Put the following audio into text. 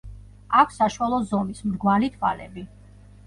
აქვს საშუალო ზომის, მრგვალი თვალები.